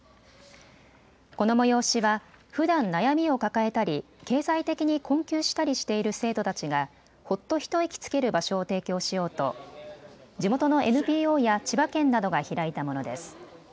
この催しはふだん悩みを抱えたり経済的に困窮したりしている生徒たちがほっと一息つける場所を提供しようと地元のＮＰＯや千葉県などが開いたものです。